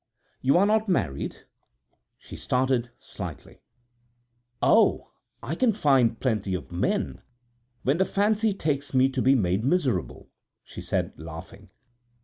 "You are not married?" She started slightly. "Oh, I can find plenty of men, when the fancy takes me to be made miserable," she said, laughing.